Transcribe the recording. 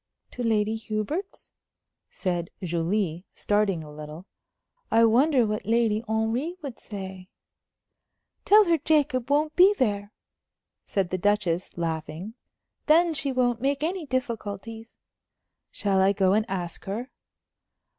"To Lady Hubert's?" said Julie, starting a little. "I wonder what Lady Henry would say?" "Tell her Jacob won't be there," said the Duchess, laughing. "Then she won't make any difficulties." "Shall I go and ask her?"